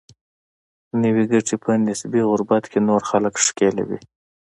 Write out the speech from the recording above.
نوي ګټې په نسبي غربت کې نور خلک ښکېلوي.